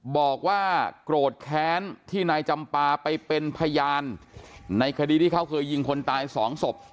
บอกว่าโกรธแค้นที่นายจำปาไปเป็นพยานในคดีที่เขาเคยยิงคนตายสองศพ